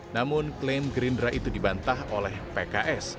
namun klaim gerindra itu dibantah oleh pks